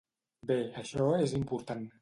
Bé, això és important.